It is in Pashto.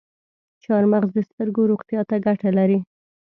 چارمغز د سترګو روغتیا ته ګټه لري.